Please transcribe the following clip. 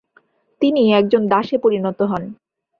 তিনি একজন দাসে পরিণত হন।